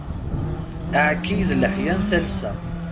Aεekki d leḥya n talsa.